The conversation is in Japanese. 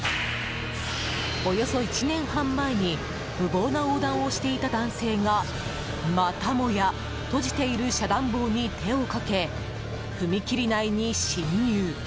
およそ１年半前に無謀な横断をしていた男性がまたもや閉じている遮断棒に手をかけ踏切内に進入。